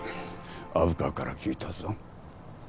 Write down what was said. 虻川から聞いたぞ。